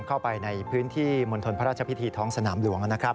เข้าไปในพื้นที่มนถรพระราชภิทธิท้องสนามหลวง